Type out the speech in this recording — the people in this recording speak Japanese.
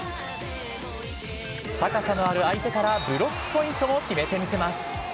高さのある相手から、ブロックポイントも決めて見せます。